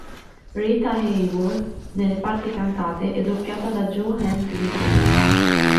Rita Hayworth nelle parti cantate è doppiata da Jo Ann Greer.